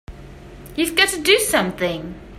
You've got to do something!